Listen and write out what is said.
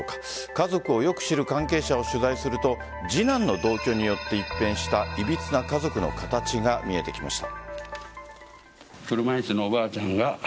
家族をよく知る関係者を取材すると次男の同居によって一変したいびつな家族の形が見えてきました。